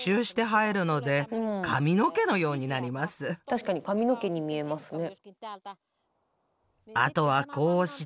確かに髪の毛に見えますね。